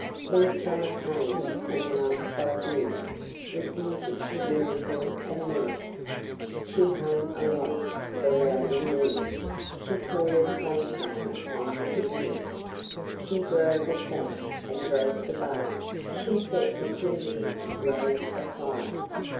Then summer came, announced by June, With beauty, miracle and mirth. She hung aloft the rounding moon, She poured her sunshine on the earth, She drove the sap and broke the bud, She set the crimson rose afire.